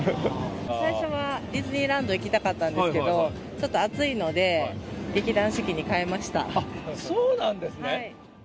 最初はディズニーランド行きたかったんですけど、ちょっと暑あっ、そうなんですね。